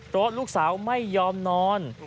เพราะลูกสาวไม่ยอมนอน